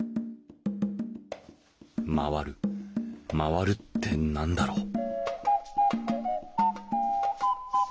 「まわる」「まわる」って何だろう？